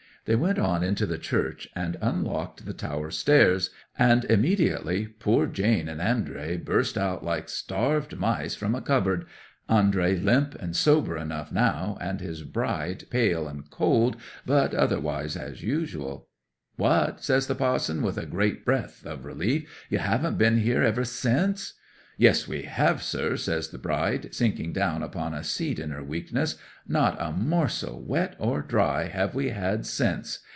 'They went on into the church, and unlocked the tower stairs, and immediately poor Jane and Andrey busted out like starved mice from a cupboard, Andrey limp and sober enough now, and his bride pale and cold, but otherwise as usual. '"What," says the pa'son, with a great breath of relief, "you haven't been here ever since?" '"Yes, we have, sir!" says the bride, sinking down upon a seat in her weakness. "Not a morsel, wet or dry, have we had since!